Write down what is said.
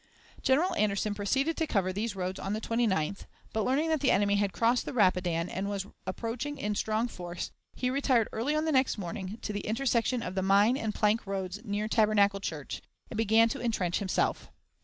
General Anderson proceeded to cover these roads on the 29th, but, learning that the enemy had crossed the Rapidan and was approaching in strong force, he retired early on the next morning to the intersection of the Mine and plank roads near Tabernacle Church, and began to intrench himself.